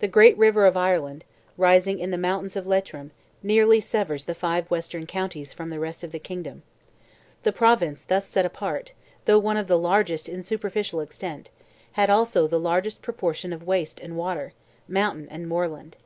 The great river of Ireland, rising in the mountains of Leitrim, nearly severs the five western counties from the rest of the kingdom. The province thus set apart, though one of the largest in superficial extent, had also the largest proportion of waste and water, mountain and moorland.